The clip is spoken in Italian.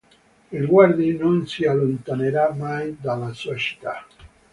Il Guardi non si allontanerà mai dalla sua città.